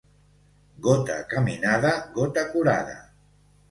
Gota caminada, gota curada.